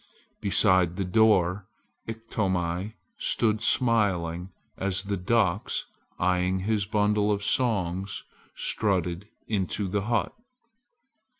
Beside the door Iktomi stood smiling, as the ducks, eyeing his bundle of songs, strutted into the hut.